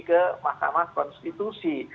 ke mahkamah konstitusi